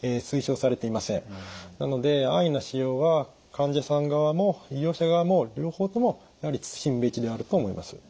なので安易な使用は患者さん側も医療者側も両方ともやはり慎むべきであると思います。